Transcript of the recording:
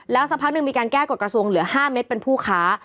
สักพักหนึ่งมีการแก้กฎกระทรวงเหลือ๕เม็ดเป็นผู้ค้า